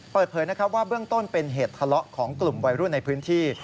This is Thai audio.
เปิดเผยนะครับว่าเบื้องต้นเป็นเหตุทะเลาะของกลุ่มวัยรุ่นในพื้นที่